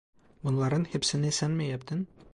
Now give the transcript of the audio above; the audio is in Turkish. Bunların hepsini sen mi yaptın?